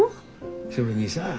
それにさ